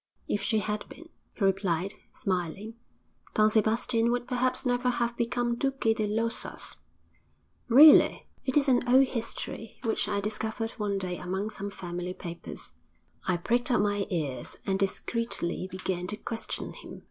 'If she had been,' he replied, smiling, 'Don Sebastian would perhaps never have become Duque de Losas.' 'Really!' 'It is an old history which I discovered one day among some family papers.' I pricked up my ears, and discreetly began to question him.